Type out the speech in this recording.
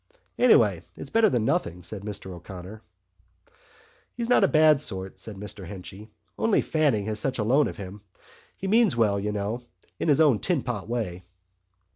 "Anyway, it's better than nothing," said Mr O'Connor. "He's not a bad sort," said Mr Henchy, "only Fanning has such a loan of him. He means well, you know, in his own tinpot way."